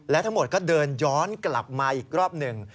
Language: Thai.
และทั้งหมดก็เดินย้อนกลับมาอีกรอบหนึ่ง